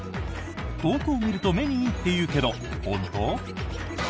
遠くを見ると目にいいっていうけど本当？